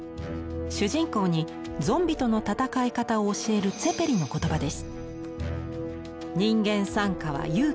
主人公に屍生人との戦い方を教えるツェペリの言葉です。